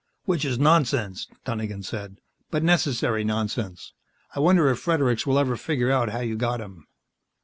"Which is nonsense," Donegan said, "but necessary nonsense. I wonder if Fredericks will ever figure out how you got him."